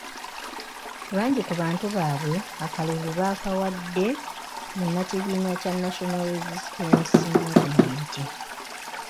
Bangi ku bantu baabwe, akalulu baakawadde munnakibiina kya National Resistance Movement.